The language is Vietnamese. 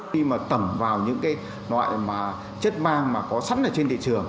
khi mà tẩm vào những cái loại mà chất mang mà có sẵn ở trên thị trường